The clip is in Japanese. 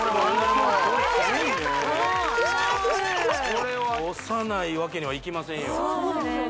これは押さないわけにはいきませんよ